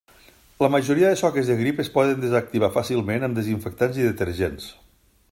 La majoria de soques de grip es poden desactivar fàcilment amb desinfectants i detergents.